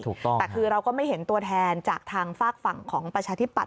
ถูกต้องแต่คือเราก็ไม่เห็นตัวแทนจากทางฝากฝั่งของประชาธิปัต